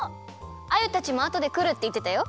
アユたちもあとでくるっていってたよ。